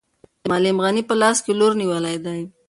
معلم غني په لاس کې لور نیولی دی.